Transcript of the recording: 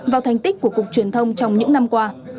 vào thành tích của cục truyền thông trong những năm qua